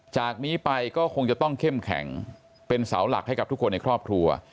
จากนี้ไปก็คงจะต้องเข้มแข็งเป็นเสาหลักให้กับทุกคนในครอบครัว